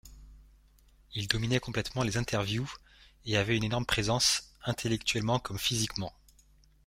Il dominait complètement les interviews, et avait une énorme présence, intellectuellement comme physiquement.